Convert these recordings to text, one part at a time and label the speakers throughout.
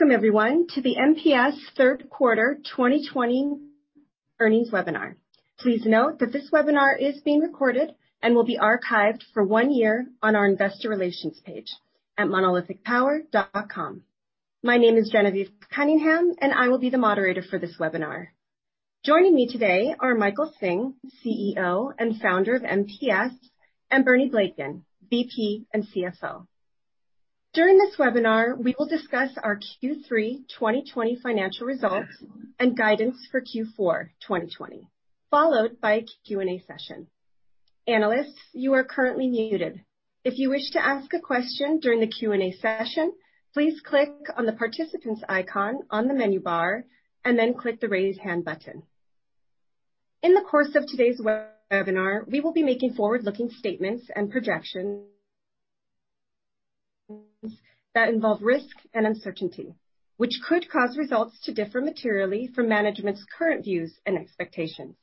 Speaker 1: Welcome everyone to the MPS third quarter 2020 earnings webinar. Please note that this webinar is being recorded and will be archived for one year on our investor relations page at monolithicpower.com. My name is Genevieve Cunningham, and I will be the moderator for this webinar. Joining me today are Michael Hsing, CEO and Founder of MPS, and Bernie Blegen, VP and CFO. During this webinar, we will discuss our Q3 2020 financial results and guidance for Q4 2020, followed by a Q&A session. Analysts, you are currently muted. If you wish to ask a question during the Q&A session, please click on the participants icon on the menu bar, and then click the raise hand button. In the course of today's webinar, we will be making forward-looking statements and projections that involve risk and uncertainty, which could cause results to differ materially from management's current views and expectations.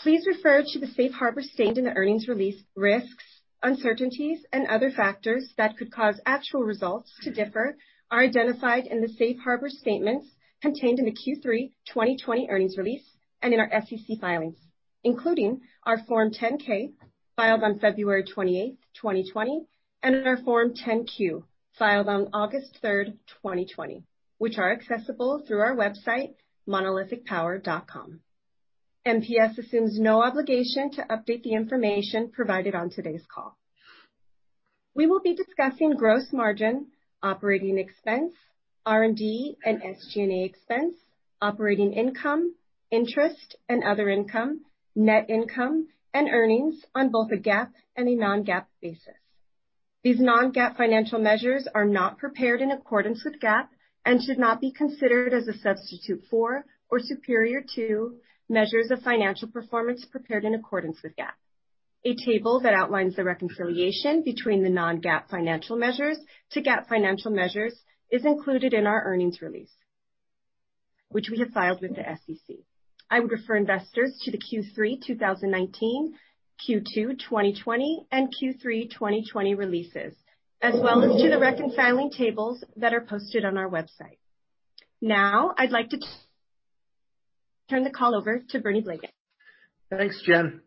Speaker 1: Please refer to the safe harbor statement in the earnings release. Risks, uncertainties, and other factors that could cause actual results to differ are identified in the safe harbor statements contained in the Q3 2020 earnings release and in our SEC filings, including our Form 10-K filed on February 28, 2020, and in our Form 10-Q, filed on August 3rd, 2020, which are accessible through our website, monolithicpower.com. MPS assumes no obligation to update the information provided on today's call. We will be discussing gross margin, operating expense, R&D and SG&A expense, operating income, interest and other income, net income, and earnings on both a GAAP and a non-GAAP basis. These non-GAAP financial measures are not prepared in accordance with GAAP and should not be considered as a substitute for or superior to measures of financial performance prepared in accordance with GAAP. A table that outlines the reconciliation between the non-GAAP financial measures to GAAP financial measures is included in our earnings release, which we have filed with the SEC. I would refer investors to the Q3 2019, Q2 2020, and Q3 2020 releases, as well as to the reconciling tables that are posted on our website. Now, I'd like to turn the call over to Bernie Blegen.
Speaker 2: Thanks, Gen.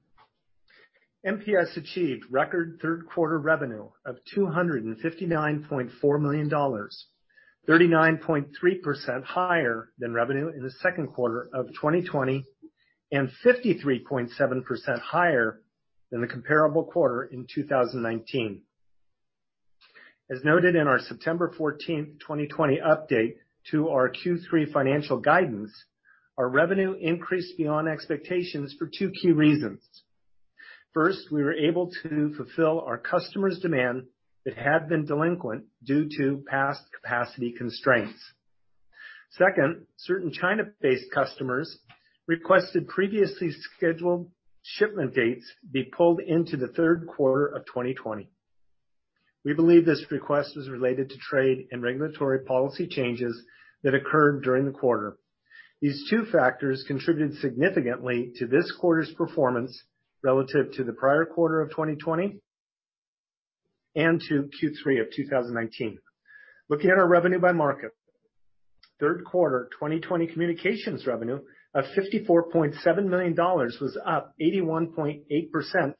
Speaker 2: MPS achieved record third quarter revenue of $259.4 million, 39.3% higher than revenue in the second quarter of 2020, 53.7% higher than the comparable quarter in 2019. As noted in our September 14th, 2020 update to our Q3 financial guidance, our revenue increased beyond expectations for two key reasons. First, we were able to fulfill our customers' demand that had been delinquent due to past capacity constraints. Second, certain China-based customers requested previously scheduled shipment dates be pulled into the third quarter of 2020. We believe this request was related to trade and regulatory policy changes that occurred during the quarter. These two factors contributed significantly to this quarter's performance relative to the prior quarter of 2020 and to Q3 of 2019. Looking at our revenue by market, third quarter 2020 communications revenue of $54.7 million was up 81.8%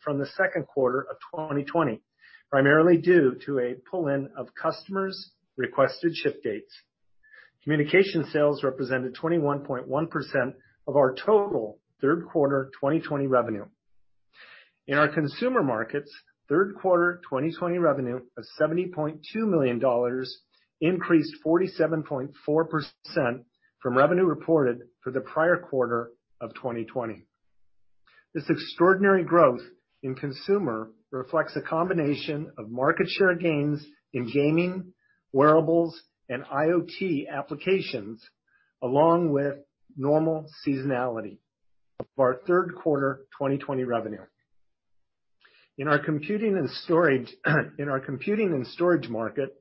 Speaker 2: from the second quarter of 2020, primarily due to a pull-in of customers' requested ship dates. Communication sales represented 21.1% of our total third quarter 2020 revenue. In our consumer markets, third quarter 2020 revenue of $70.2 million increased 47.4% from revenue reported for the prior quarter of 2020. This extraordinary growth in consumer reflects a combination of market share gains in gaming, wearables, and IoT applications, along with normal seasonality of our third quarter 2020 revenue. In our computing and storage market,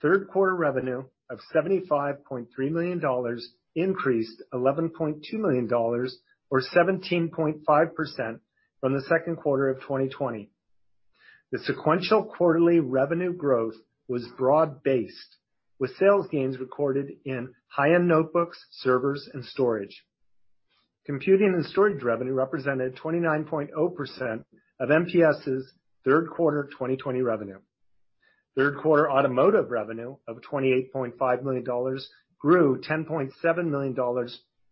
Speaker 2: third quarter revenue of $75.3 million increased $11.2 million, or 17.5%, from the second quarter of 2020. The sequential quarterly revenue growth was broad-based, with sales gains recorded in high-end notebooks, servers, and storage. Computing and storage revenue represented 29.0% of MPS' third quarter 2020 revenue. Third quarter automotive revenue of $28.5 million grew $10.7 million,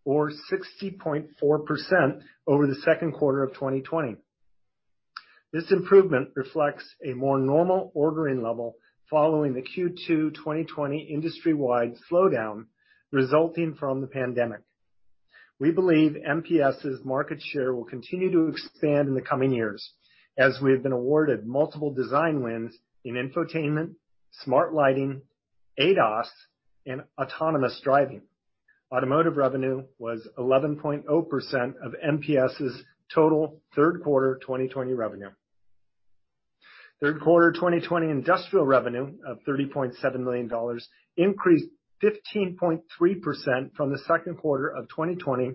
Speaker 2: or 60.4%, over the second quarter of 2020. This improvement reflects a more normal ordering level following the Q2 2020 industry-wide slowdown resulting from the pandemic. We believe MPS' market share will continue to expand in the coming years, as we have been awarded multiple design wins in infotainment, smart lighting, ADAS, and autonomous driving. Automotive revenue was 11.0% of MPS' total third quarter 2020 revenue. Third quarter 2020 industrial revenue of $30.7 million increased 15.3% from the second quarter of 2020.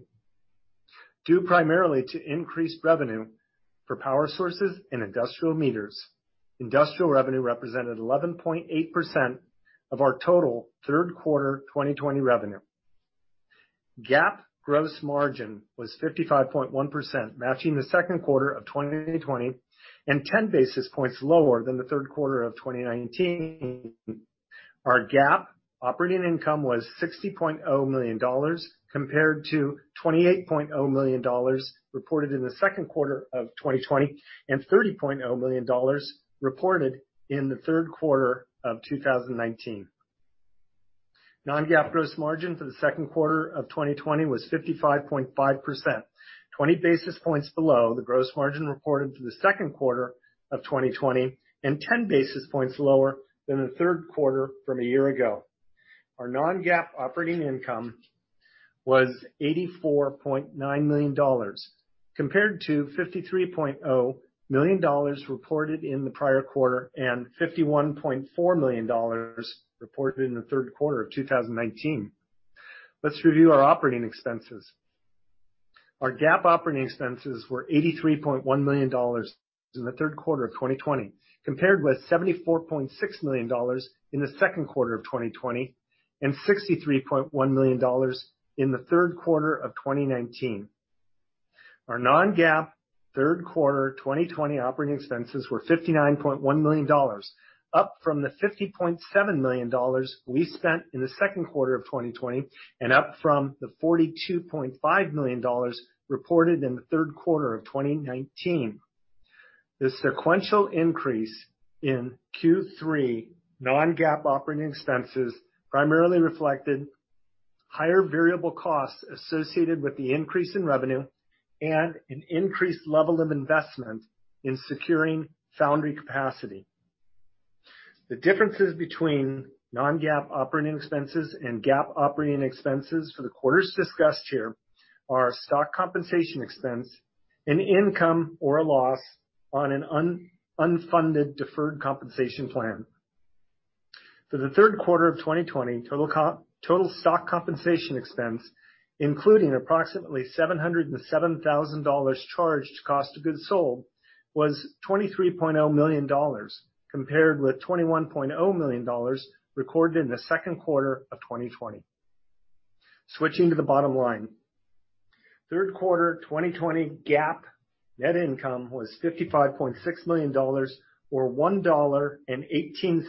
Speaker 2: Due primarily to increased revenue for power sources and industrial meters. Industrial revenue represented 11.8% of our total third quarter 2020 revenue. GAAP gross margin was 55.1%, matching the second quarter of 2020, and 10 basis points lower than the third quarter of 2019. Our GAAP operating income was $60.0 million, compared to $28.0 million reported in the second quarter of 2020, and $30.0 million reported in the third quarter of 2019. Non-GAAP gross margin for the second quarter of 2020 was 55.5%, 20 basis points below the gross margin reported for the second quarter of 2020, and 10 basis points lower than the third quarter from a year ago. Our non-GAAP operating income was $84.9 million, compared to $53.0 million reported in the prior quarter, and $51.4 million reported in the third quarter of 2019. Let's review our operating expenses. Our GAAP operating expenses were $83.1 million in the third quarter of 2020, compared with $74.6 million in the second quarter of 2020, and $63.1 million in the third quarter of 2019. Our non-GAAP third quarter 2020 operating expenses were $59.1 million, up from the $50.7 million we spent in the second quarter of 2020, and up from the $42.5 million reported in the third quarter of 2019. The sequential increase in Q3 non-GAAP operating expenses primarily reflected higher variable costs associated with the increase in revenue and an increased level of investment in securing foundry capacity. The differences between non-GAAP operating expenses and GAAP operating expenses for the quarters discussed here are stock compensation expense and income or a loss on an unfunded deferred compensation plan. For the third quarter of 2020, total stock compensation expense, including approximately $707,000 charged cost of goods sold, was $23.0 million, compared with $21.0 million recorded in the second quarter of 2020. Switching to the bottom line. Third quarter 2020 GAAP net income was $55.6 million, or $1.18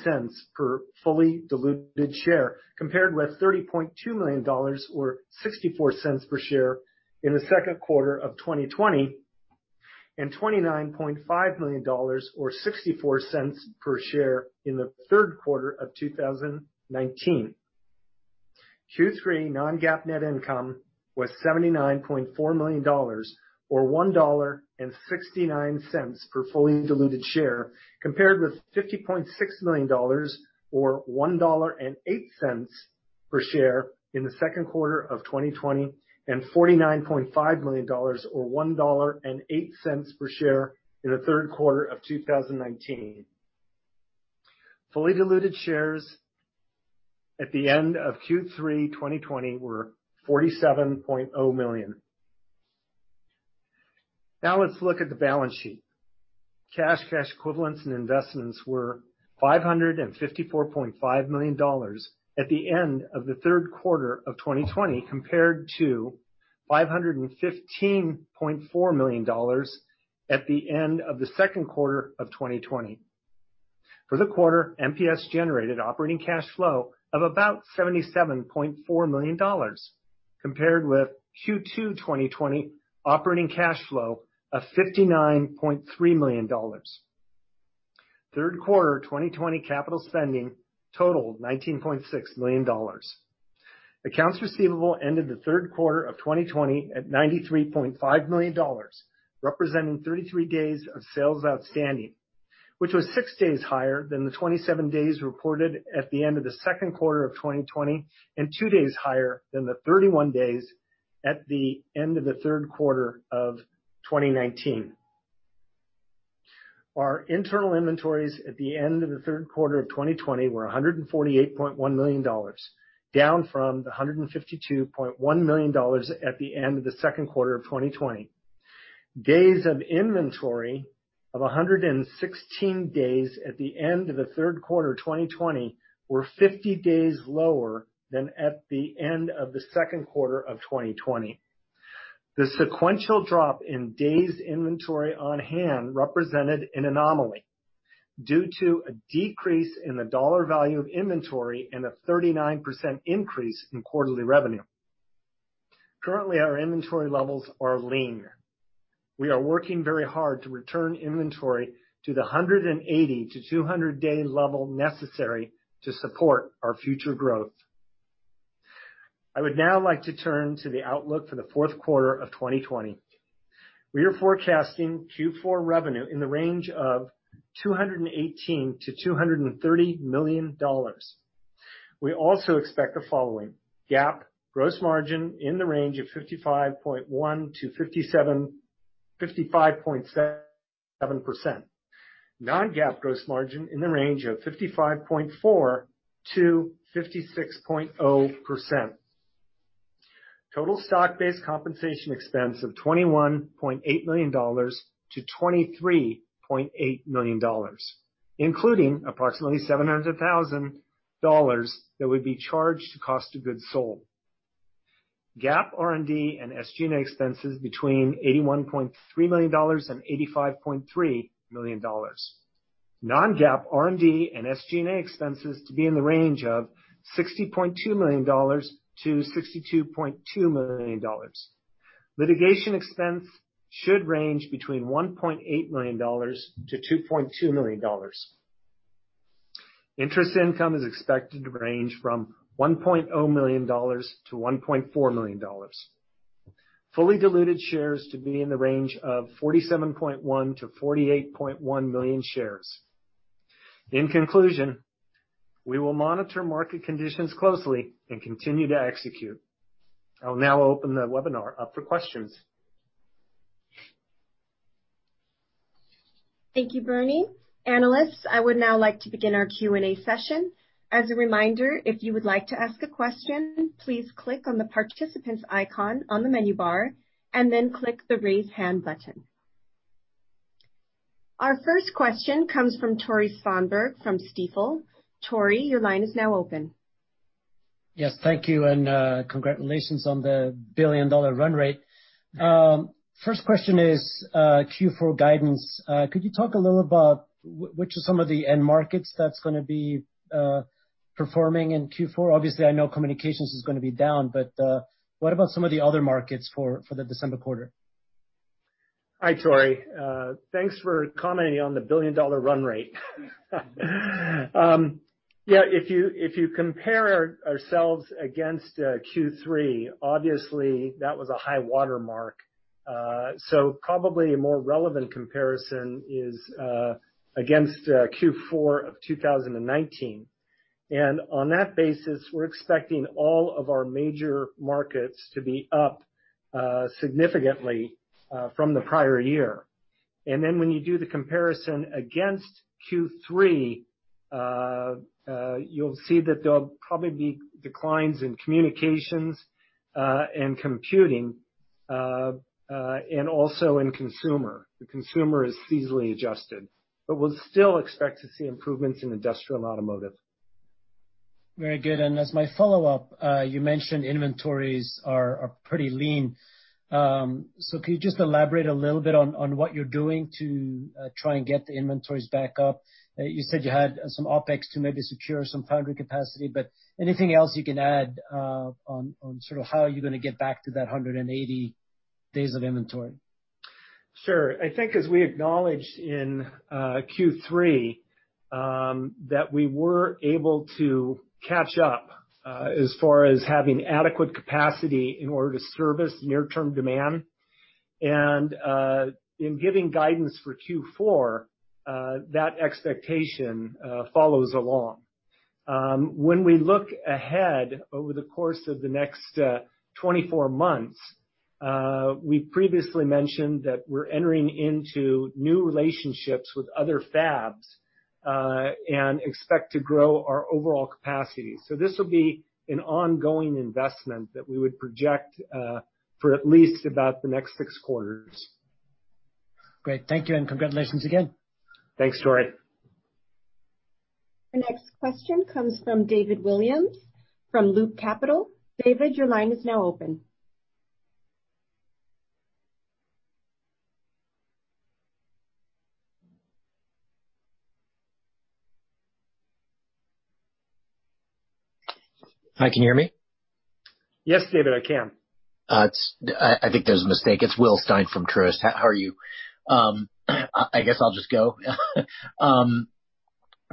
Speaker 2: per fully diluted share, compared with $30.2 million or $0.64 per share in the second quarter of 2020, and $29.5 million or $0.64 per share in the third quarter of 2019. Q3 non-GAAP net income was $79.4 million or $1.69 per fully diluted share, compared with $50.6 million or $1.08 per share in the second quarter of 2020, and $49.5 million or $1.08 per share in the third quarter of 2019. Fully diluted shares at the end of Q3 2020 were 47.0 million. Let's look at the balance sheet. Cash, cash equivalents, and investments were $554.5 million at the end of the third quarter of 2020, compared to $515.4 million at the end of the second quarter of 2020. For the quarter, MPS generated operating cash flow of about $77.4 million, compared with Q2 2020 operating cash flow of $59.3 million. Third quarter 2020 capital spending totaled $19.6 million. Accounts receivable ended the third quarter of 2020 at $93.5 million, representing 33 days of sales outstanding, which was six days higher than the 27 days reported at the end of the second quarter of 2020, and two days higher than the 31 days at the end of the third quarter of 2019. Our internal inventories at the end of the third quarter of 2020 were $148.1 million, down from the $152.1 million at the end of the second quarter of 2020. Days of inventory of 116 days at the end of the third quarter 2020 were 50 days lower than at the end of the second quarter of 2020. The sequential drop in days inventory on hand represented an anomaly due to a decrease in the dollar value of inventory and a 39% increase in quarterly revenue. Currently, our inventory levels are lean. We are working very hard to return inventory to the 180-200-day level necessary to support our future growth. I would now like to turn to the outlook for the fourth quarter of 2020. We are forecasting Q4 revenue in the range of $218 million-$230 million. We also expect the following. GAAP gross margin in the range of 55.1%-55.7%. Non-GAAP gross margin in the range of 55.4%-56.0%. Total stock-based compensation expense of $21.8 million-$23.8 million, including approximately $700,000 that would be charged to cost of goods sold. GAAP R&D and SG&A expenses between $81.3 million and $85.3 million. Non-GAAP R&D and SG&A expenses to be in the range of $60.2 million-$62.2 million. Litigation expense should range between $1.8 million-$2.2 million. Interest income is expected to range from $1.0 million-$1.4 million. Fully diluted shares to be in the range of 47.1 million-48.1 million shares. In conclusion, we will monitor market conditions closely and continue to execute. I will now open the webinar up for questions.
Speaker 1: Thank you, Bernie. Analysts, I would now like to begin our Q&A session. As a reminder, if you would like to ask a question, please click on the participants icon on the menu bar, and then click the raise hand button. Our first question comes from Tore Svanberg from Stifel. Tore, your line is now open.
Speaker 3: Yes, thank you, and congratulations on the billion-dollar run rate. First question is, Q4 guidance. Could you talk a little about which are some of the end markets that's going to be performing in Q4? Obviously, I know communications is going to be down, but what about some of the other markets for the December quarter?
Speaker 2: Hi, Tore. Thanks for commenting on the billion-dollar run rate. Yeah, if you compare ourselves against Q3, obviously that was a high water mark. Probably a more relevant comparison is against Q4 of 2019. On that basis, we're expecting all of our major markets to be up significantly from the prior year. When you do the comparison against Q3, you'll see that there'll probably be declines in communications, and computing, and also in consumer. The consumer is seasonally adjusted, but we'll still expect to see improvements in industrial and automotive.
Speaker 3: Very good. As my follow-up, you mentioned inventories are pretty lean. Could you just elaborate a little bit on what you're doing to try and get the inventories back up? You said you had some OpEx to maybe secure some foundry capacity. Anything else you can add on how you're going to get back to that 180 days of inventory?
Speaker 2: Sure. I think as we acknowledged in Q3, that we were able to catch up, as far as having adequate capacity in order to service near-term demand. In giving guidance for Q4, that expectation follows along. When we look ahead over the course of the next 24 months, we previously mentioned that we're entering into new relationships with other fabs, and expect to grow our overall capacity. This will be an ongoing investment that we would project for at least about the next six quarters.
Speaker 3: Great. Thank you, and congratulations again.
Speaker 2: Thanks, Tore.
Speaker 1: The next question comes from David Williams from Loop Capital. David, your line is now open.
Speaker 4: Hi, can you hear me?
Speaker 2: Yes, David, I can.
Speaker 4: I think there's a mistake. It's Will Stein from Truist. How are you? I guess I'll just go.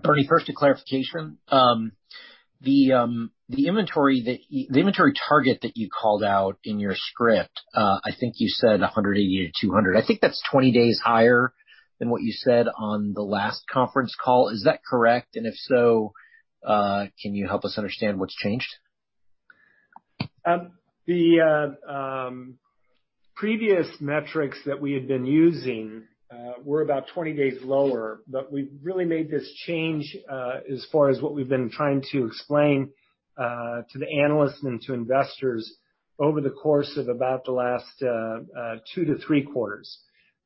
Speaker 4: Bernie, first a clarification. The inventory target that you called out in your script, I think you said 180-200. I think that's 20 days higher than what you said on the last conference call. Is that correct? If so, can you help us understand what's changed?
Speaker 2: The previous metrics that we had been using were about 20 days lower, but we've really made this change as far as what we've been trying to explain to the analysts and to investors over the course of about the last two to three quarters.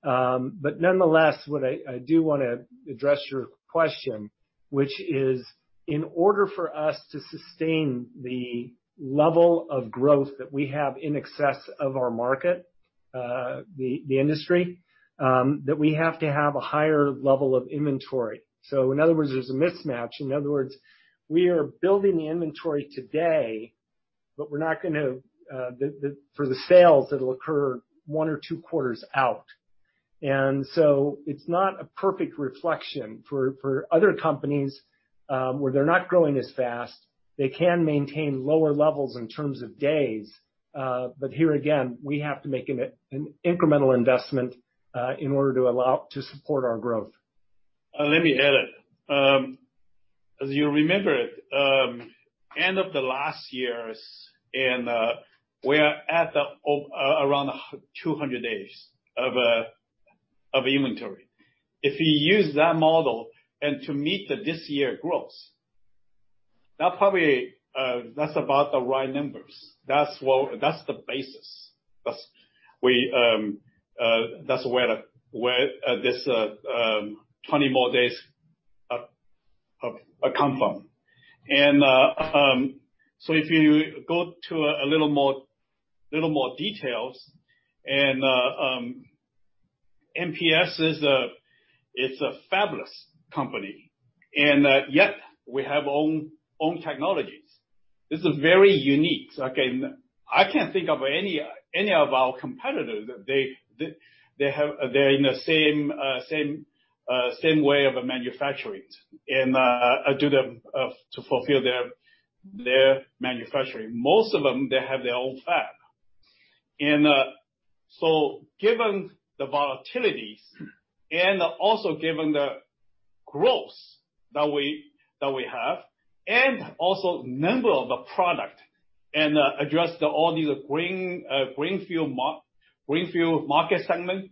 Speaker 2: Nonetheless, I do want to address your question, which is, in order for us to sustain the level of growth that we have in excess of our market, the industry, that we have to have a higher level of inventory. In other words, there's a mismatch. In other words, we are building the inventory today, but for the sales that'll occur one or two quarters out. It's not a perfect reflection for other companies, where they're not growing as fast. They can maintain lower levels in terms of days. Here again, we have to make an incremental investment, in order to support our growth.
Speaker 5: Let me add. As you remember it, end of the last year, we are at around 200 days of inventory. If you use that model and to meet this year's growth, that's about the right numbers. That's the basis. That's where these 20 more days have come from, so if you go to a little more details, and MPS is a fabless company, and yet we have own technologies. This is very unique. I can't think of any of our competitors that they're in the same way of a manufacturing to fulfill their manufacturing. Most of them, they have their own fab, so given the volatilities and also given the growth that we have and also number of the product and address all these greenfield market segment,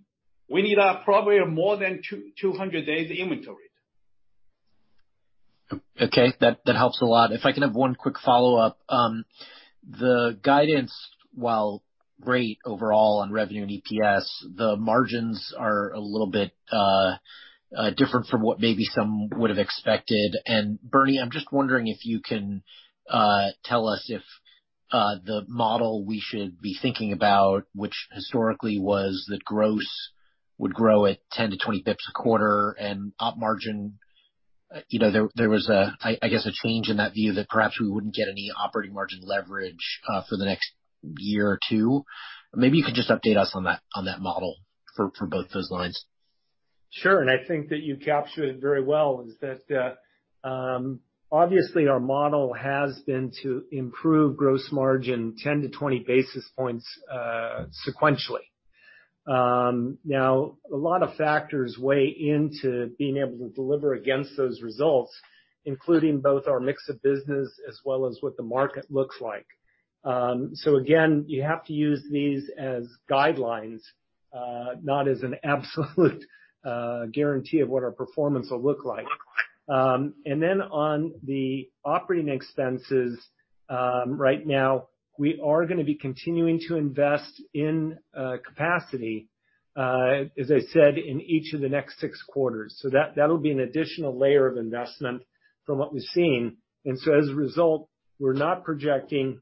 Speaker 5: we need probably more than 200 days of inventory.
Speaker 4: Okay. That helps a lot. If I can have one quick follow-up. The guidance, while great overall on revenue and EPS, the margins are a little bit different from what maybe some would have expected. Bernie, I'm just wondering if you can tell us if the model we should be thinking about, which historically was that gross would grow at 10 to 20 basis points a quarter and op margin, there was, I guess, a change in that view that perhaps we wouldn't get any operating margin leverage for the next year or two. Maybe you could just update us on that model for both those lines.
Speaker 2: Sure. I think that you captured it very well is that, obviously our model has been to improve gross margin 10 to 20 basis points sequentially. A lot of factors weigh into being able to deliver against those results, including both our mix of business as well as what the market looks like. Again, you have to use these as guidelines, not as an absolute guarantee of what our performance will look like. On the operating expenses, right now we are going to be continuing to invest in capacity, as I said, in each of the next six quarters. That'll be an additional layer of investment from what we've seen. As a result, we're not projecting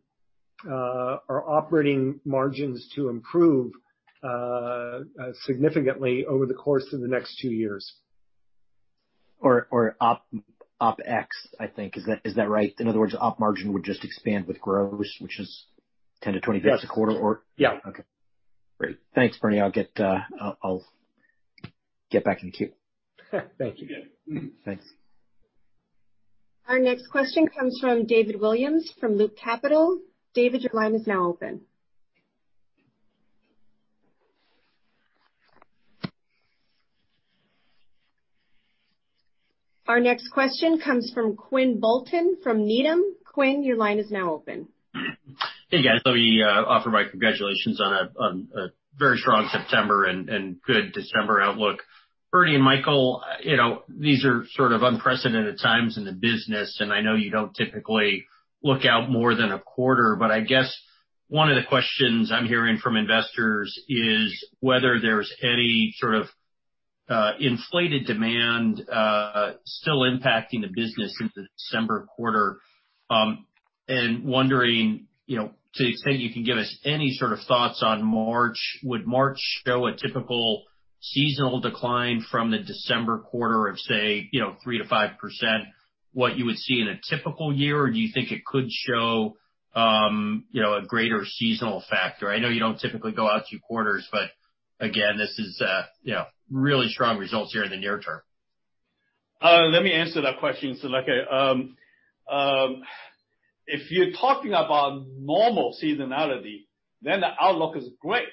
Speaker 2: our operating margins to improve significantly over the course of the next two years.
Speaker 4: OpEx, I think. Is that right? In other words, op margin would just expand with gross, which is 10-20 basis a quarter.
Speaker 2: Yeah.
Speaker 4: Okay. Great. Thanks, Bernie. I'll get back in queue.
Speaker 2: Thank you.
Speaker 4: Thanks.
Speaker 1: Our next question comes from David Williams from Loop Capital. David, your line is now open. Our next question comes from Quinn Bolton from Needham. Quinn, your line is now open.
Speaker 6: Hey, guys. Let me offer my congratulations on a very strong September and good December outlook. Bernie and Michael, these are sort of unprecedented times in the business, and I know you don't typically look out more than a quarter, but I guess one of the questions I'm hearing from investors is whether there's any sort of inflated demand still impacting the business into the December quarter. Wondering, to the extent you can give us any sort of thoughts on March, would March show a typical seasonal decline from the December quarter of, say, 3%-5%, what you would see in a typical year? Do you think it could show a greater seasonal factor? I know you don't typically go out two quarters. Again, this is really strong results here in the near term.
Speaker 5: Let me answer that question. If you're talking about normal seasonality, the outlook is great.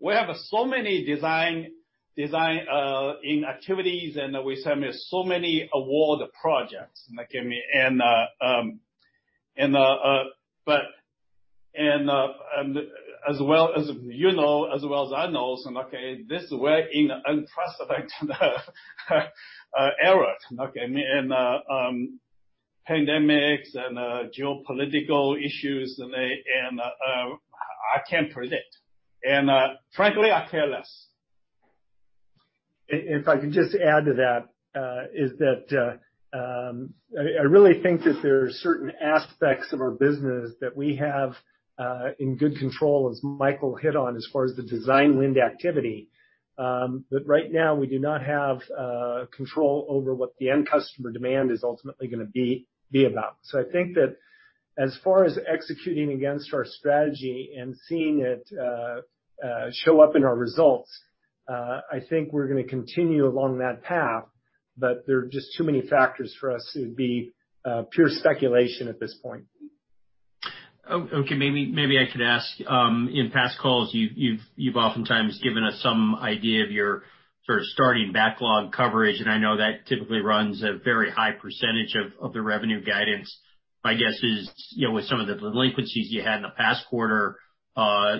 Speaker 5: We have so many design in activities, and we have so many award projects. As well as you know, as well as I know, this world is in an unprecedented era. Pandemics and geopolitical issues, and I can't predict. Frankly, I care less.
Speaker 2: If I could just add to that, is that I really think that there are certain aspects of our business that we have in good control, as Michael hit on, as far as the design win activity. Right now, we do not have control over what the end customer demand is ultimately going to be about. I think that as far as executing against our strategy and seeing it show up in our results, I think we're going to continue along that path, but there are just too many factors for us to be pure speculation at this point.
Speaker 6: Okay. Maybe I could ask, in past calls you've oftentimes given us some idea of your sort of starting backlog coverage, and I know that typically runs a very high percentage of the revenue guidance. My guess is, with some of the delinquencies you had in the past quarter,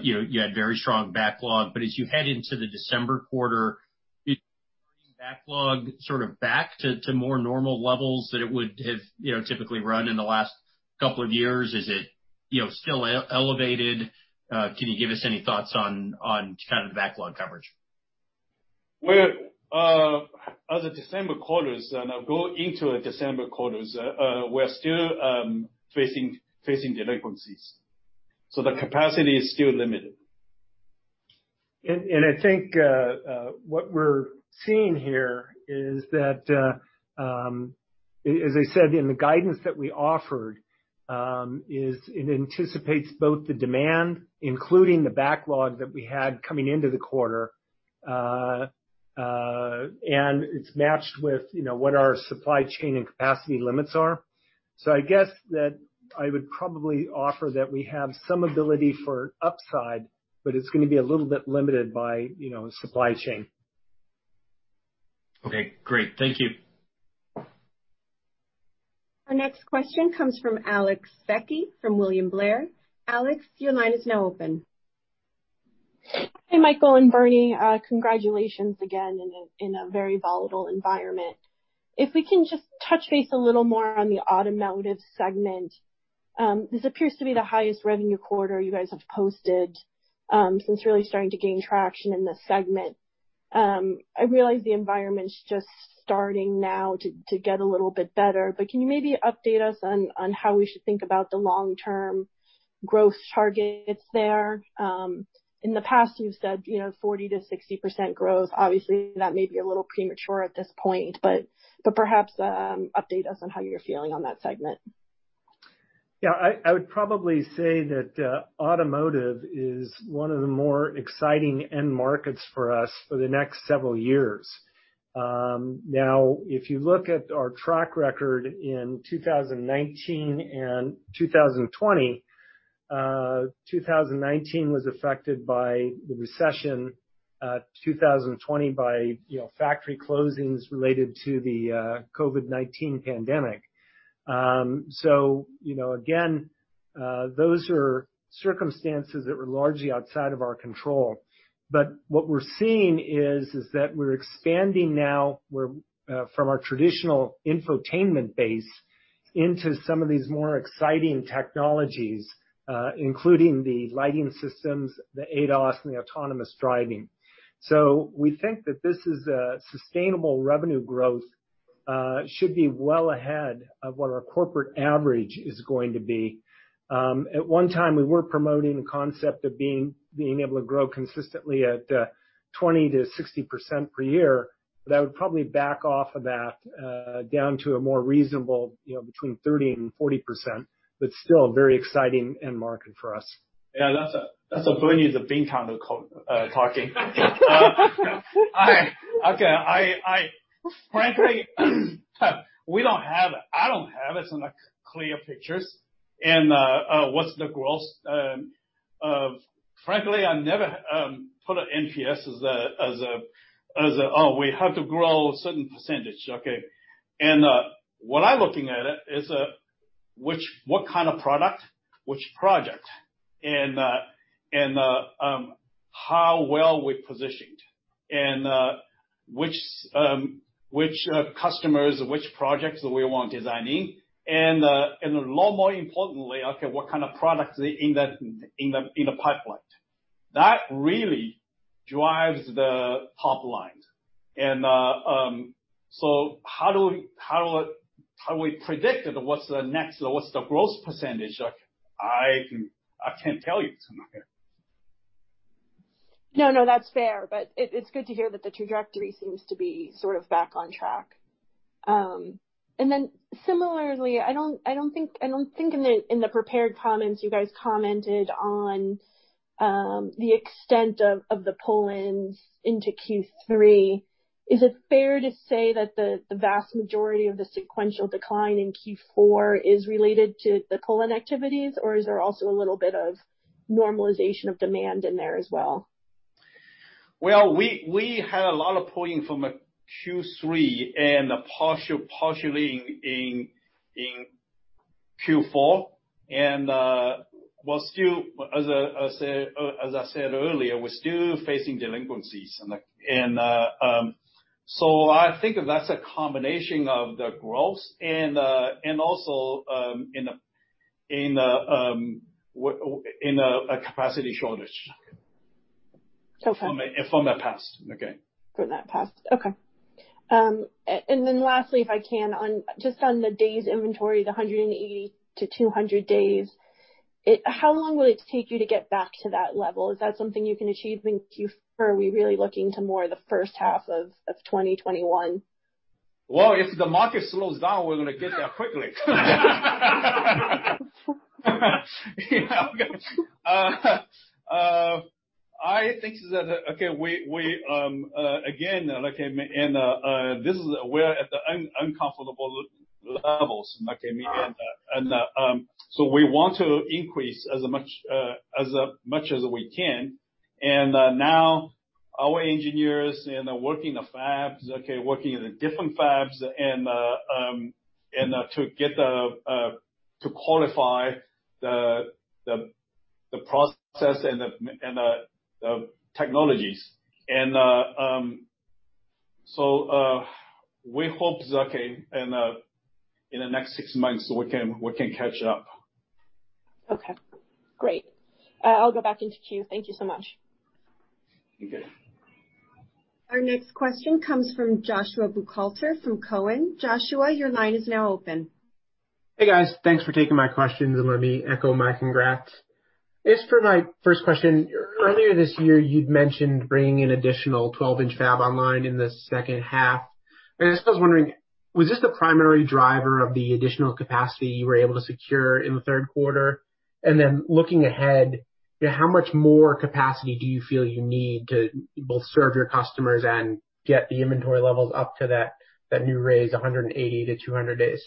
Speaker 6: you had very strong backlog. As you head into the December quarter, is your backlog sort of back to more normal levels that it would have typically run in the last couple of years? Is it still elevated? Can you give us any thoughts on kind of the backlog coverage?
Speaker 5: Well, as of December quarters, and go into December quarters, we're still facing delinquencies. The capacity is still limited.
Speaker 2: I think what we're seeing here is that, as I said in the guidance that we offered, is it anticipates both the demand, including the backlog that we had coming into the quarter, and it's matched with what our supply chain and capacity limits are. I guess that I would probably offer that we have some ability for upside, but it's going to be a little bit limited by supply chain.
Speaker 6: Okay, great. Thank you.
Speaker 1: Our next question comes from Alex Vecchi from William Blair. Alex, your line is now open.
Speaker 7: Hey, Michael and Bernie. Congratulations again in a very volatile environment. If we can just touch base a little more on the automotive segment. This appears to be the highest revenue quarter you guys have posted since really starting to gain traction in this segment. I realize the environment's just starting now to get a little bit better, but can you maybe update us on how we should think about the long-term growth targets there? In the past you've said 40%-60% growth. Obviously, that may be a little premature at this point, but perhaps update us on how you're feeling on that segment.
Speaker 2: I would probably say that automotive is one of the more exciting end markets for us for the next several years. If you look at our track record in 2019 and 2020, 2019 was affected by the recession, 2020 by factory closings related to the COVID-19 pandemic. Again, those are circumstances that were largely outside of our control. What we're seeing is that we're expanding now from our traditional infotainment base into some of these more exciting technologies, including the lighting systems, the ADAS, and the autonomous driving. We think that this is a sustainable revenue growth, should be well ahead of what our corporate average is going to be. At one time, we were promoting the concept of being able to grow consistently at 20%-60% per year. I would probably back off of that down to a more reasonable between 30% and 40%. Still a very exciting end market for us.
Speaker 5: Yeah, that's Bernie, the bean counter talking. Okay. Frankly, I don't have some clear pictures in what's the growth. Frankly, I never put an MPS as a, "Oh, we have to grow a certain percentage." Okay. What I'm looking at it is what kind of product, which project, and how well we positioned, and which customers or which projects we want designing, and a lot more importantly, okay, what kind of products in the pipeline. That really drives the top line. How do we predict what's the next, what's the growth percentage? I can't tell you because I'm not there.
Speaker 7: No, that's fair. It's good to hear that the trajectory seems to be sort of back on track. Similarly, I don't think in the prepared comments you guys commented on the extent of the pull-ins into Q3. Is it fair to say that the vast majority of the sequential decline in Q4 is related to the pull-in activities, or is there also a little bit of normalization of demand in there as well?
Speaker 5: Well, we had a lot of pulling from Q3 and partially in Q4. As I said earlier, we're still facing delinquencies. I think that's a combination of the growth and also in a capacity shortage.
Speaker 7: Okay.
Speaker 5: From the past. Okay.
Speaker 7: From that past. Okay. Lastly, if I can, just on the days inventory, the 180-200 days. How long will it take you to get back to that level? Is that something you can achieve in Q4, or are we really looking to more the first half of 2021?
Speaker 5: Well, if the market slows down, we're going to get there quickly. I think that, again, we're at the uncomfortable levels. We want to increase as much as we can. Now our engineers are working in the fabs, working in the different fabs, and to qualify the process and the technologies. We hope, in the next six months, we can catch up.
Speaker 7: Okay, great. I'll go back into queue. Thank you so much.
Speaker 5: You're good.
Speaker 1: Our next question comes from Joshua Buchalter from Cowen. Joshua, your line is now open.
Speaker 8: Hey, guys. Thanks for taking my questions. Let me echo my congrats. This is for my first question. Earlier this year, you'd mentioned bringing an additional 12-inch fab online in the second half. I just was wondering, was this the primary driver of the additional capacity you were able to secure in the third quarter? Looking ahead, how much more capacity do you feel you need to both serve your customers and get the inventory levels up to that new raise, 180-200 days?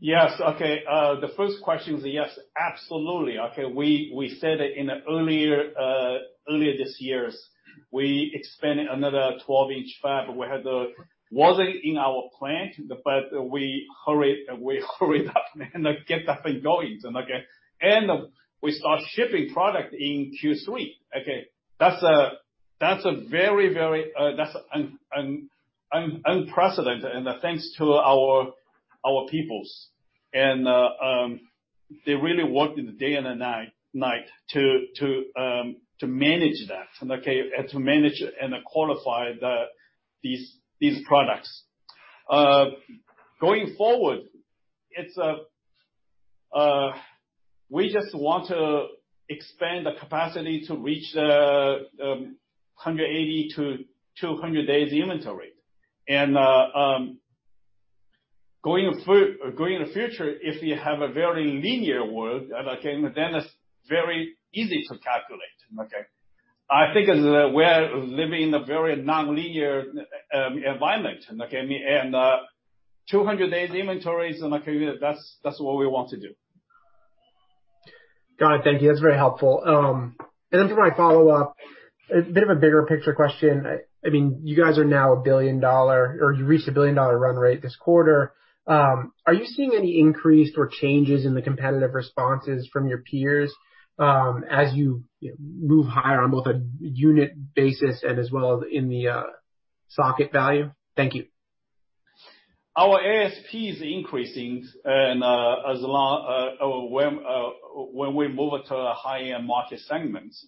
Speaker 5: Yes. Okay. The first question is a yes. Absolutely. Okay. We said it earlier this year. We expanded another 12-inch fab. It wasn't in our plan, but we hurried up and get that thing going. We start shipping product in Q3. That's unprecedented, and thanks to our people. They really worked the day and the night to manage that, and to manage and qualify these products. Going forward, we just want to expand the capacity to reach the 180-200 days inventory. Going in the future, if we have a very linear work, then it's very easy to calculate. I think we're living in a very nonlinear environment. 200 days inventories, that's what we want to do.
Speaker 8: Got it. Thank you. That's very helpful. For my follow-up, a bit of a bigger picture question. You guys are now a billion-dollar, or you reached a billion-dollar run rate this quarter. Are you seeing any increase or changes in the competitive responses from your peers as you move higher on both a unit basis and as well in the socket value? Thank you.
Speaker 5: Our ASP is increasing when we move it to the higher market segments.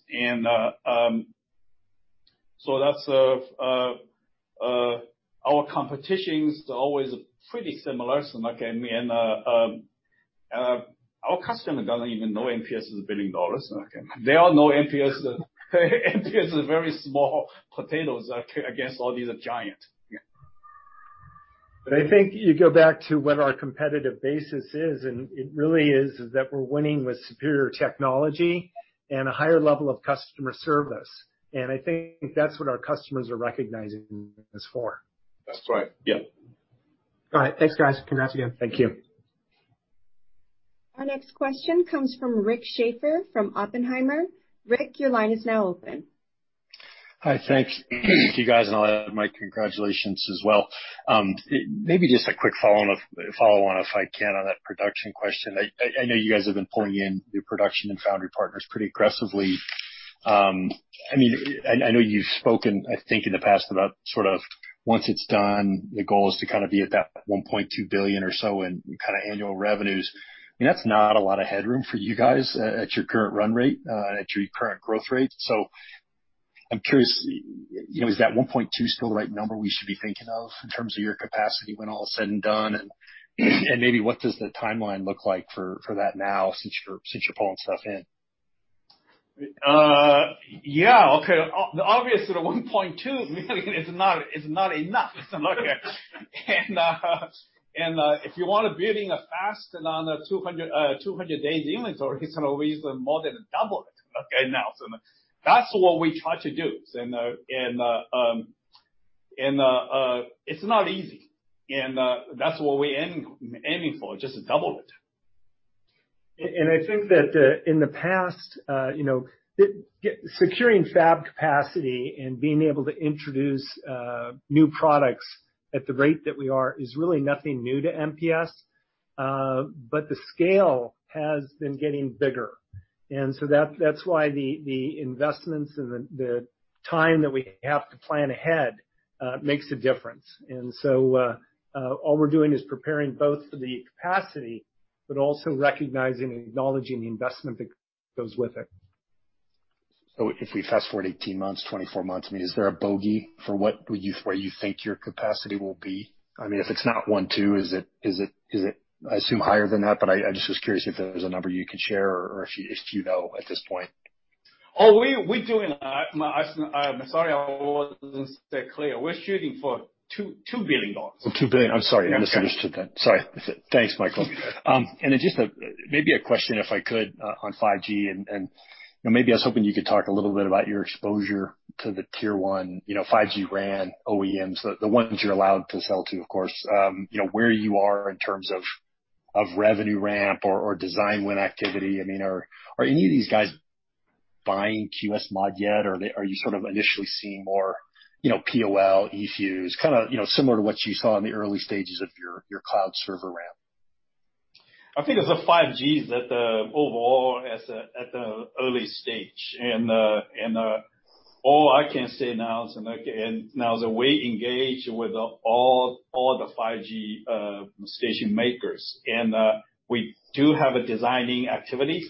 Speaker 5: Our competition's always pretty similar. Our customer doesn't even know MPS is $1 billion. They all know MPS as very small potatoes against all these giants.
Speaker 2: I think you go back to what our competitive basis is, and it really is that we're winning with superior technology and a higher level of customer service. I think that's what our customers are recognizing us for.
Speaker 5: That's right. Yep.
Speaker 8: All right. Thanks, guys. Congrats again.
Speaker 5: Thank you.
Speaker 1: Our next question comes from Rick Schafer from Oppenheimer. Rick, your line is now open.
Speaker 9: Hi. Thanks to you guys. I'll add my congratulations as well. Maybe just a quick follow-on, if I can, on that production question. I know you guys have been pulling in new production and foundry partners pretty aggressively. I know you've spoken, I think, in the past about sort of once it's done, the goal is to kind of be at that $1.2 billion or so in kind of annual revenues. That's not a lot of headroom for you guys at your current run rate, at your current growth rate. I'm curious, is that $1.2 billion still the right number we should be thinking of in terms of your capacity when all is said and done? Maybe what does the timeline look like for that now, since you're pulling stuff in?
Speaker 5: Yeah. Okay. Obviously, the $1.2 billion is not enough. If you want to building fast on a 200 days inventory, it's always more than double it now. That's what we try to do, and it's not easy, and that's what we aiming for, just double it.
Speaker 2: I think that in the past, securing fab capacity and being able to introduce new products at the rate that we are is really nothing new to MPS. The scale has been getting bigger, that's why the investments and the time that we have to plan ahead makes a difference. All we're doing is preparing both for the capacity, but also recognizing and acknowledging the investment that goes with it.
Speaker 9: If we fast-forward 18 months, 24 months, is there a bogey for where you think your capacity will be? If it's not one, two, is it, I assume, higher than that? I just was curious if there was a number you could share, or if you know at this point.
Speaker 5: Oh, I'm sorry I wasn't clear. We're shooting for $2 billion.
Speaker 9: $2 billion. I'm sorry. I misunderstood then. Sorry. Thanks, Michael.
Speaker 5: It's okay.
Speaker 9: Just maybe a question, if I could, on 5G, and maybe I was hoping you could talk a little bit about your exposure to the Tier 1 5G RAN OEMs, the ones you're allowed to sell to, of course. Where you are in terms of revenue ramp or design win activity. Are any of these guys buying QSMod yet? Are you initially seeing more PoL, eFuses, kind of similar to what you saw in the early stages of your cloud server ramp?
Speaker 5: I think as a 5G, that overall at the early stage. All I can say now is that we engage with all the 5G station makers, and we do have a designing activity,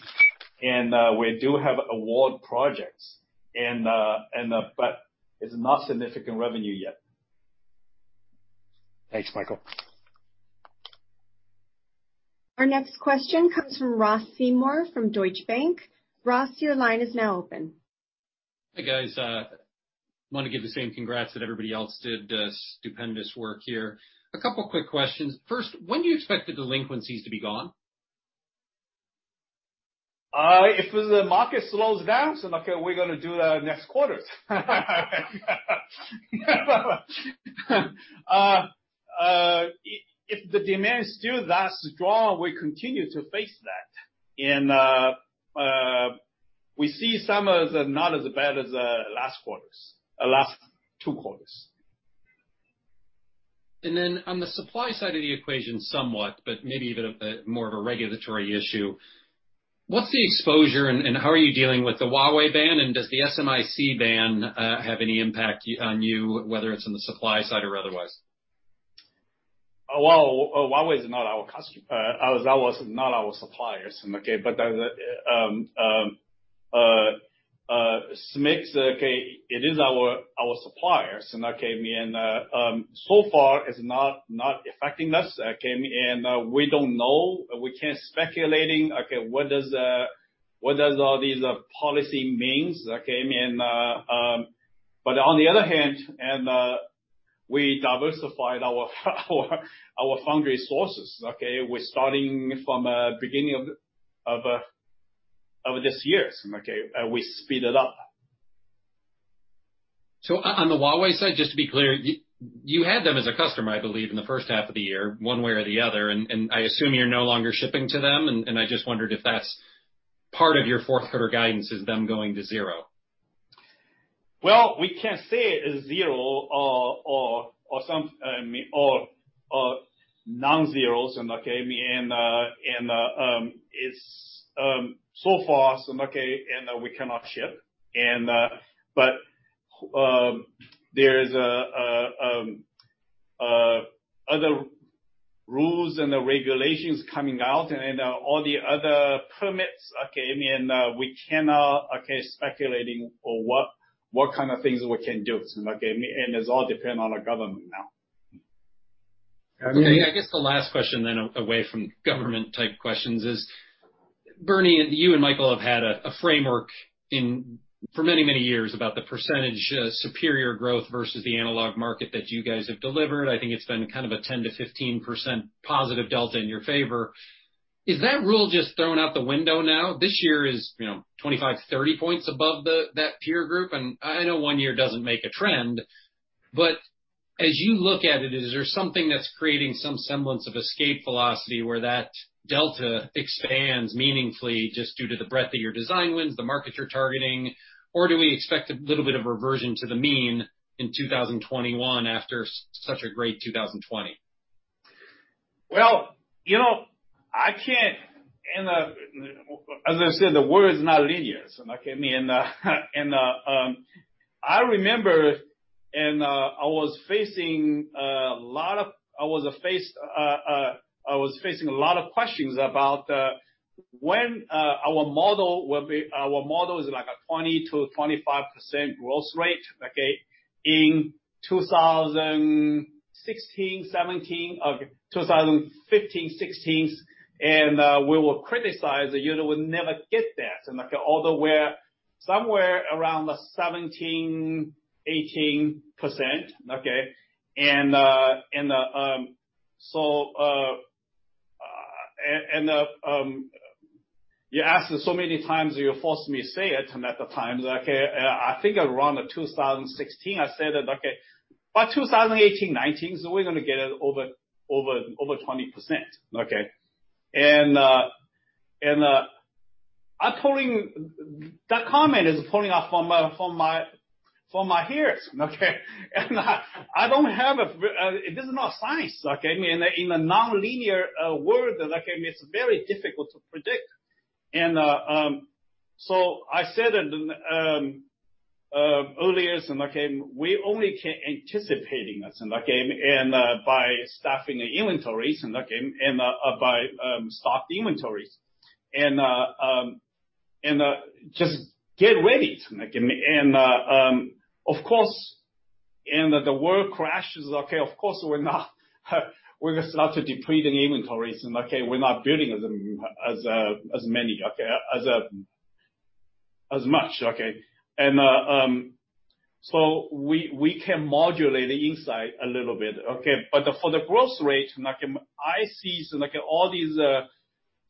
Speaker 5: and we do have award projects. It's not significant revenue yet.
Speaker 9: Thanks, Michael.
Speaker 1: Our next question comes from Ross Seymore from Deutsche Bank. Ross, your line is now open.
Speaker 10: Hi, guys. I want to give the same congrats that everybody else did. Stupendous work here. A couple of quick questions. First, when do you expect the delinquencies to be gone?
Speaker 5: If the market slows down, we're going to do next quarters. If the demand is still that strong, we continue to face that. We see some as not as bad as last quarters, last two quarters.
Speaker 10: On the supply side of the equation somewhat, but maybe even a bit more of a regulatory issue, what's the exposure and how are you dealing with the Huawei ban, and does the SMIC ban have any impact on you, whether it's on the supply side or otherwise?
Speaker 5: Huawei is not our supplier. SMIC, it is our supplier. So far, it's not affecting us. We don't know, we can't speculating, what does all these policy means. On the other hand, we diversified our foundry sources. We're starting from beginning of this year. We speed it up.
Speaker 10: On the Huawei side, just to be clear, you had them as a customer, I believe, in the first half of the year, one way or the other, and I assume you're no longer shipping to them. I just wondered if that's part of your fourth quarter guidance, is them going to zero.
Speaker 5: Well, we can't say it is zero or non-zero. It's so fast, and we cannot ship. There is other rules and the regulations coming out, and all the other permits. We cannot speculating on what kind of things we can do. It all depend on the government now.
Speaker 10: I guess the last question then, away from government type questions is, Bernie, you and Michael have had a framework for many, many years about the percentage superior growth versus the analog market that you guys have delivered. I think it's been kind of a 10%-15% positive delta in your favor. Is that rule just thrown out the window now? This year is 25-30 points above that peer group. I know one year doesn't make a trend, but as you look at it, is there something that's creating some semblance of escape velocity where that delta expands meaningfully just due to the breadth of your design wins, the market you're targeting, or do we expect a little bit of reversion to the mean in 2021 after such a great 2020?
Speaker 5: Well, as I said, the world is not linear. I remember, I was facing a lot of questions about when our model is like a 20%-25% growth rate, okay? In 2016, 2017, or 2015, 2016, we were criticized that you would never get that. Although we're somewhere around the 17%-18%. You asked us so many times, you forced me say it at the time. I think around 2016, I said by 2018, 2019, we're going to get over 20%. Okay. That comment is pulling off from my hairs. It is not science. In a nonlinear world, it's very difficult to predict, so I said earlier, we only can anticipating this. By staffing the inventories and by stocked inventories. Just get ready. Of course, the world crashes, okay, of course, we're going to start depleting inventories, okay, we're not building as many, as much. Okay, so we can modulate the insight a little bit. Okay. For the growth rate, I see all these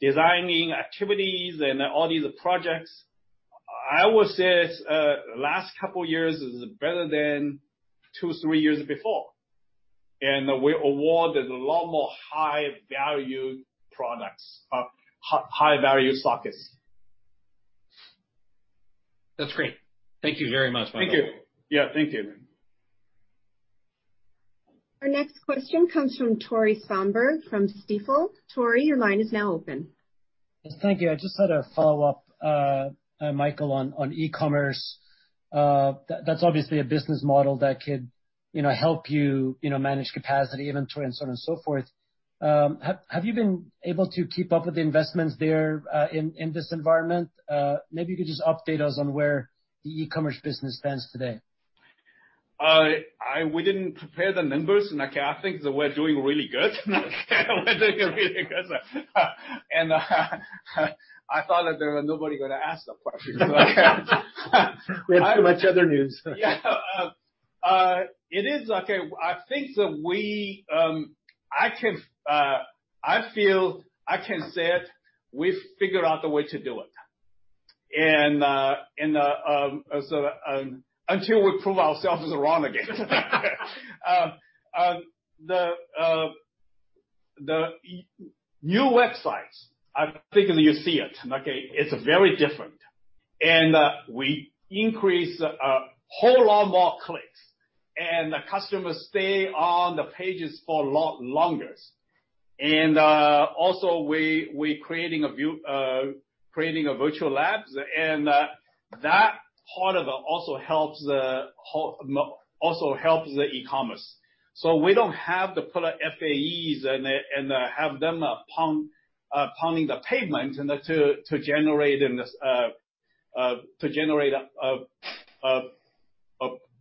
Speaker 5: designing activities and all these projects. I would say last couple years is better than two, three years before. We awarded a lot more high-value products, high-value sockets.
Speaker 10: That's great. Thank you very much, Michael.
Speaker 5: Thank you. Yeah, thank you.
Speaker 1: Our next question comes from Tore Svanberg from Stifel. Tore, your line is now open.
Speaker 3: Thank you. I just had a follow-up, Michael, on e-commerce. That's obviously a business model that could help you manage capacity, inventory, and so on and so forth. Have you been able to keep up with the investments there, in this environment? Maybe you could just update us on where the e-commerce business stands today.
Speaker 5: We didn't prepare the numbers, and I think that we're doing really good. We're doing really good. I thought that there was nobody gonna ask the question.
Speaker 3: We have too much other news.
Speaker 5: Yeah. I think that I feel I can say it, we've figured out a way to do it. Until we prove ourselves as wrong again. The new websites, I think that you see it. Okay? It's very different. We increase a whole lot more clicks, and the customers stay on the pages for lot longers. Also, we're creating virtual labs, and that part of it also helps the e-commerce. We don't have to put FAEs and have them pounding the pavement to generate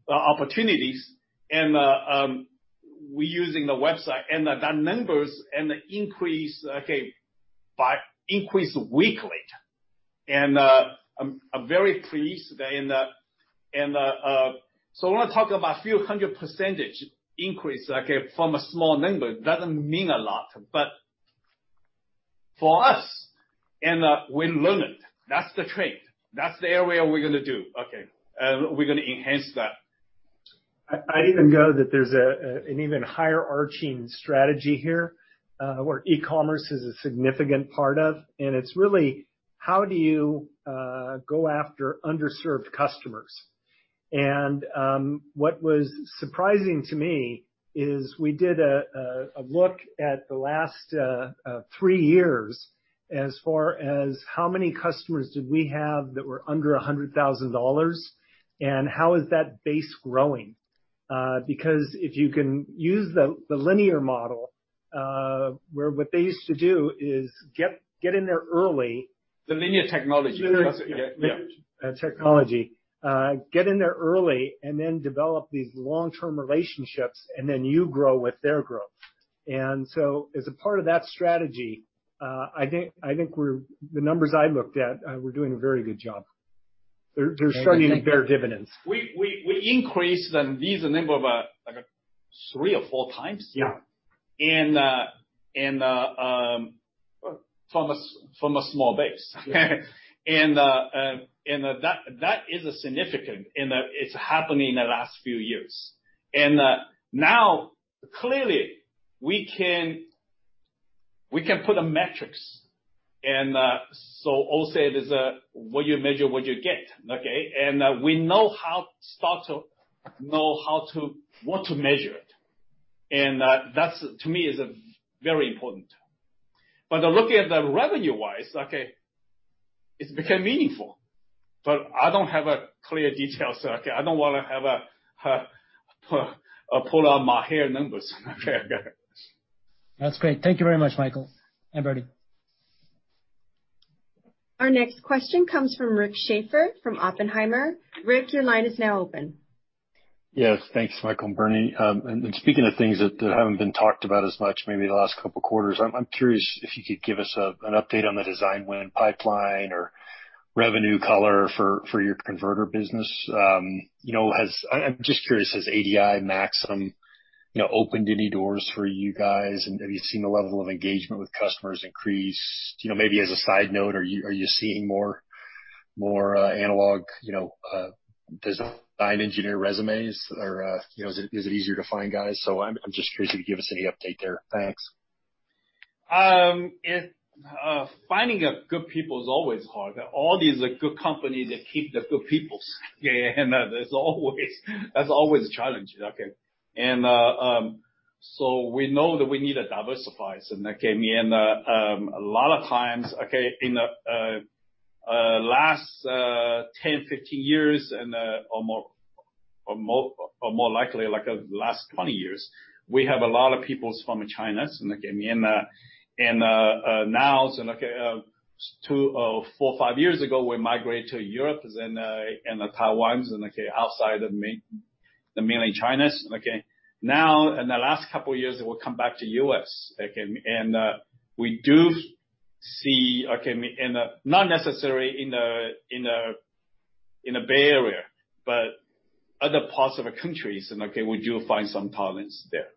Speaker 5: opportunities. We're using the website, and the numbers increase weekly. I'm very pleased. When I talk about a few hundred percentage increase from a small number, it doesn't mean a lot. For us, and we learned, that's the trend, that's the area we're gonna do. Okay. We're gonna enhance that.
Speaker 2: I even go that there's an even higher arching strategy here, where e-commerce is a significant part of, and it's really how do you go after underserved customers. What was surprising to me is we did a look at the last three years as far as how many customers did we have that were under $100,000, and how is that base growing. If you can use the linear model, where what they used to do is get in there early.
Speaker 5: The Linear Technology.
Speaker 2: Linear Technology. Get in there early, and then develop these long-term relationships, and then you grow with their growth. As a part of that strategy, I think the numbers I looked at, we're doing a very good job. They're starting to bear dividends.
Speaker 5: We increase these number about 3x or 4x.
Speaker 2: Yeah.
Speaker 5: From a small base. That is a significant, and it's happened in the last few years. Now, clearly, we can put a metrics, old saying is what you measure is what you get. Okay. We start to know how to, what to measure it. That, to me, is very important. Looking at the revenue-wise, okay, it's became meaningful. I don't have a clear detail, so I don't want to have a pull out my hair numbers.
Speaker 3: Okay, I got it. That's great. Thank you very much, Michael and Bernie.
Speaker 1: Our next question comes from Rick Schafer from Oppenheimer. Rick, your line is now open.
Speaker 9: Yes, thanks, Michael and Bernie. Speaking of things that haven't been talked about as much, maybe the last couple of quarters, I'm curious if you could give us an update on the design win pipeline or revenue color for your converter business. I'm just curious, has ADI/Maxim opened any doors for you guys? Have you seen the level of engagement with customers increase? Maybe as a side note, are you seeing more analog design engineer resumes? Is it easier to find guys? I'm just curious if you could give us any update there. Thanks.
Speaker 5: Finding good people is always hard. All these good companies that keep the good people. That's always a challenge. Okay. We know that we need to diversify, and that can mean a lot of times, in the last 10, 15 years or more likely like last 20 years, we have a lot of people from China. Two or four, five years ago, we migrate to Europe and Taiwan and outside of mainland China. Now, in the last couple years, we come back to the U.S. We do see, not necessarily in the Bay Area, but other parts of the countries, and we do find some talents there.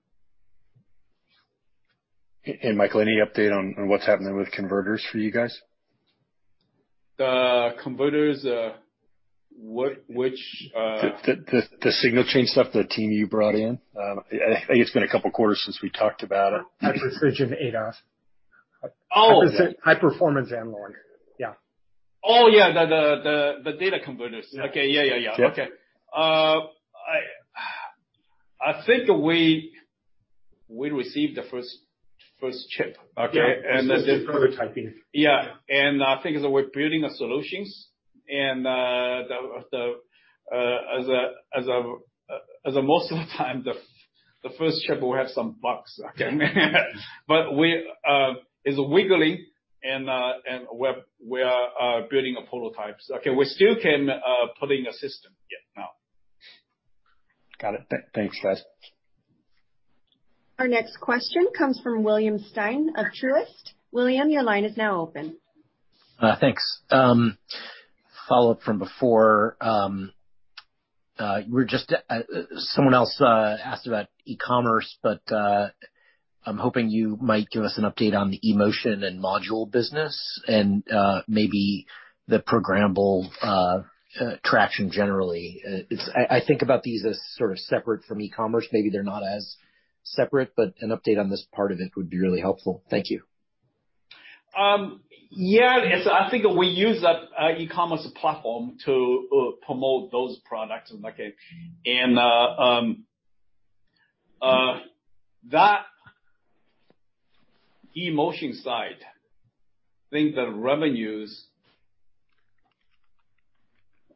Speaker 9: Michael, any update on what's happening with converters for you guys?
Speaker 5: The converters, which-
Speaker 9: The signal chain stuff, the team you brought in. I think it's been a couple quarters since we talked about it.
Speaker 2: At Precision ADAS.
Speaker 5: Oh.
Speaker 2: High-performance analog. Yeah.
Speaker 5: Oh, yeah. The data converters.
Speaker 2: Yeah.
Speaker 5: Okay. Yeah.
Speaker 9: Yeah.
Speaker 5: Okay. I think we received the first chip. Okay.
Speaker 2: Yeah. We're still prototyping.
Speaker 5: Yeah. I think as we're building the solutions and as most of the time, the first chip will have some bugs. It's wiggling and we are building prototypes. Okay. We still can put in a system now.
Speaker 9: Got it. Thanks, guys.
Speaker 1: Our next question comes from William Stein of Truist. William, your line is now open.
Speaker 4: Thanks. Follow-up from before. Someone else asked about e-commerce, but, I'm hoping you might give us an update on the eMotion and module business and, maybe the programmable traction generally. I think about these as sort of separate from e-commerce. Maybe they're not as separate, but an update on this part of it would be really helpful. Thank you.
Speaker 5: Yeah. I think we use that e-commerce platform to promote those products. That eMotion side, I think the revenues.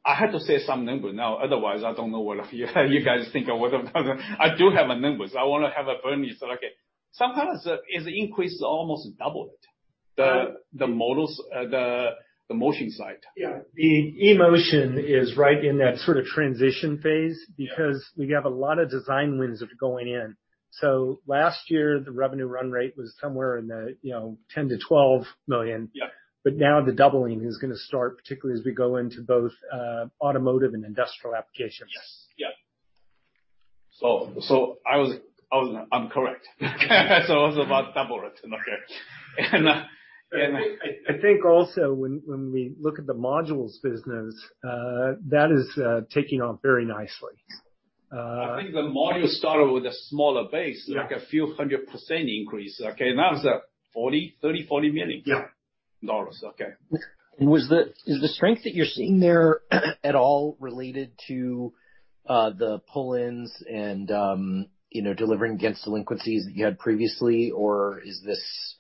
Speaker 5: I have to say some number now, otherwise, I don't know what you guys think. I do have a number, so I want to have it earnest. Sometimes it increases almost double it, the eMotion side.
Speaker 2: Yeah. The eMotion is right in that sort of transition phase because we have a lot of design wins going in. Last year, the revenue run rate was somewhere in the $10 million-$12 million.
Speaker 5: Yeah.
Speaker 2: Now the doubling is going to start, particularly as we go into both automotive and industrial applications.
Speaker 5: Yes. Yeah. I'm correct. It was about double it. Okay.
Speaker 2: I think also when we look at the modules business, that is taking off very nicely.
Speaker 5: I think the modules started with a smaller base.
Speaker 2: Yeah
Speaker 5: like a few hundred percent increase. Okay. Now it's $30 million, $40 million.
Speaker 2: Yeah.
Speaker 5: Dollars. Okay.
Speaker 4: Is the strength that you're seeing there at all related to the pull-ins and delivering against delinquencies that you had previously? Or is this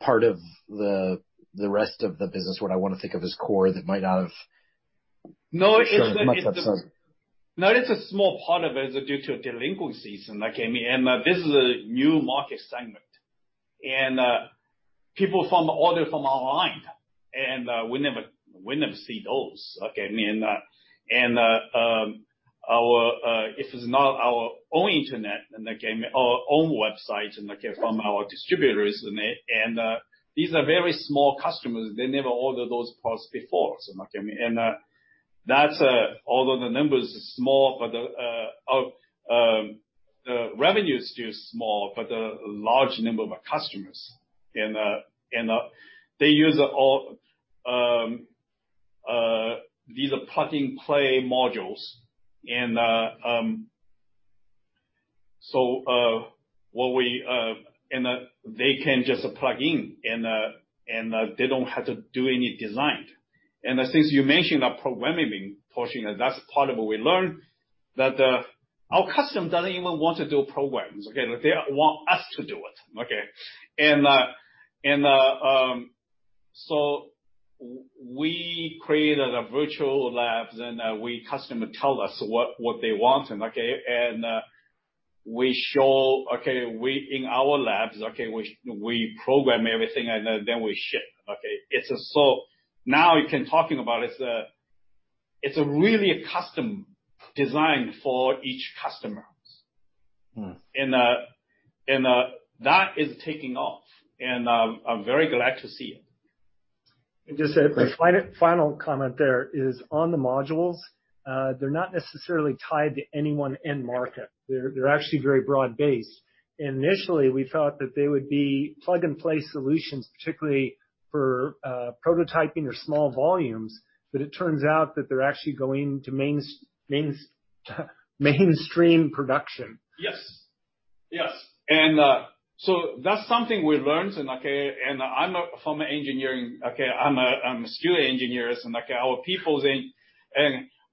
Speaker 4: part of the rest of the business, what I want to think of as core, that might not have shown as much upside?
Speaker 5: No, it's a small part of it is due to delinquencies. This is a new market segment, people order from online, we never see those. Okay. This is not our own internet and our own website, from our distributors. These are very small customers. They never order those products before. Although the numbers is small, the revenue is still small, but a large number of customers. They use all these plug-and-play modules. They can just plug in, they don't have to do any design. Since you mentioned the programming portion, that's part of what we learned, that our customer doesn't even want to do programs. Okay. They want us to do it. Okay. We created a virtual lab, customer tell us what they want. We show in our labs, we program everything, we ship. Okay. Now we can talk about it. It's really a custom design for each customer. That is taking off, and I'm very glad to see it.
Speaker 2: Just a final comment there is on the modules, they're not necessarily tied to any one end market. They're actually very broad-based. Initially, we thought that they would be plug-and-play solutions, particularly for prototyping or small volumes. It turns out that they're actually going to mainstream production.
Speaker 5: Yes. That's something we learned, and I'm from engineering. Okay. I'm a skilled engineer, and our people,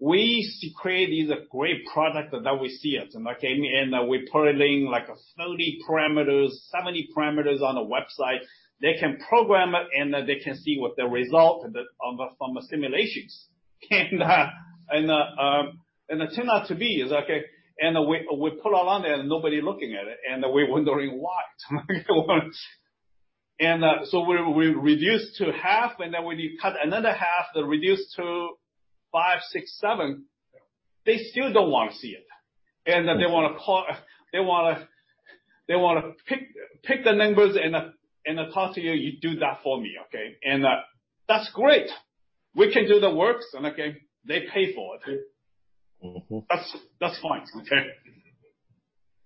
Speaker 5: we used to create these great product that now we see it. We're putting like 30 parameters, 70 parameters on the website. They can program it, and they can see what the result from the simulations. It turned out to be, it's okay. We put all on there, nobody looking at it, and we're wondering why. We reduced to half, when you cut another half, that reduced to five, six, seven. They still don't want to see it. They want to pick the numbers and talk to you do that for me. Okay. That's great. We can do the works, and again, they pay for it. That's fine. Okay?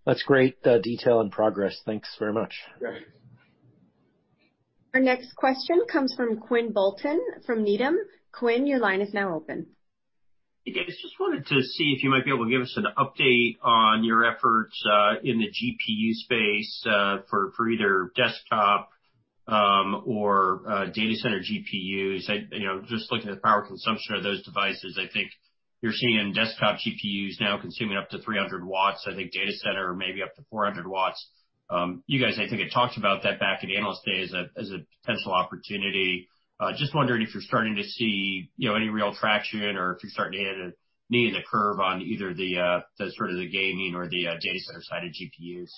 Speaker 4: That's great detail and progress. Thanks very much.
Speaker 5: Yeah.
Speaker 1: Our next question comes from Quinn Bolton from Needham. Quinn, your line is now open.
Speaker 6: Hey, guys. Just wanted to see if you might be able to give us an update on your efforts, in the GPU space, for either desktop or data center GPUs. Just looking at the power consumption of those devices, I think you're seeing in desktop GPUs now consuming up to 300 W. I think data center maybe up to 400 W. You guys, I think, had talked about that back at Analyst Day as a potential opportunity. Just wondering if you're starting to see any real traction or if you're starting to bend the curve on either the sort of the gaming or the data center side of GPUs.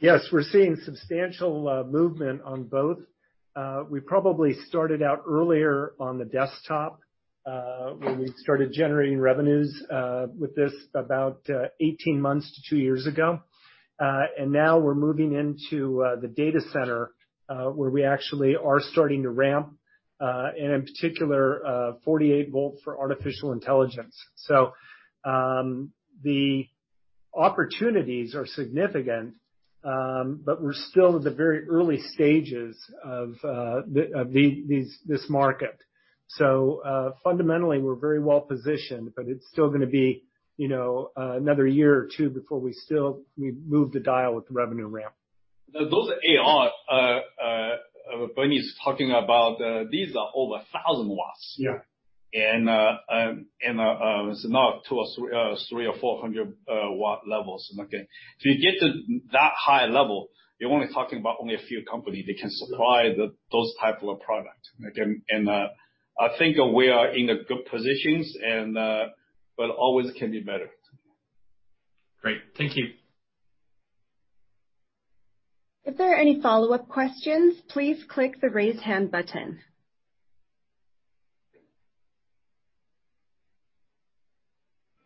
Speaker 2: Yes, we're seeing substantial movement on both. We probably started out earlier on the desktop, where we started generating revenues with this about 18 months to two years ago. Now we're moving into the data center, where we actually are starting to ramp, and in particular, 48 V for artificial intelligence. The opportunities are significant, but we're still at the very early stages of this market. Fundamentally, we're very well-positioned, but it's still gonna be another year or two before we move the dial with the revenue ramp.
Speaker 5: Those AI Bernie's talking about, these are over 1,000 W.
Speaker 2: Yeah.
Speaker 5: It's not 200 W or 300 W or 400 W levels. If you get to that high level, you're only talking about only a few companies that can supply those type of product. I think we are in good positions, but always can be better.
Speaker 6: Great. Thank you.
Speaker 1: If there are any follow-up questions, please click the Raise Hand button.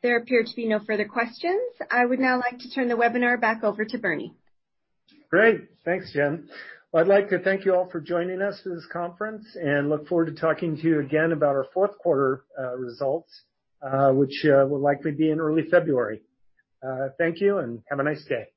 Speaker 1: There appear to be no further questions. I would now like to turn the webinar back over to Bernie.
Speaker 2: Great. Thanks, Gen. Well, I'd like to thank you all for joining us for this conference and look forward to talking to you again about our fourth quarter results, which will likely be in early February. Thank you, and have a nice day.